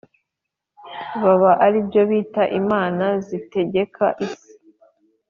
baba ari byo bita imana zitegeka isi.